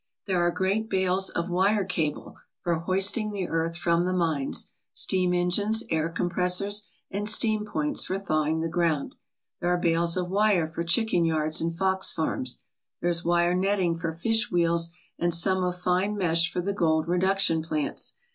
There are great bales of wire cable for hoisting the earth from the mines, steam engines, air compressors, and steam points for thawing the ground. There are bales of wire for chicken yards and fox farms. There is wire netting for fish wheels and some of fine mesh for the gold reduction plants.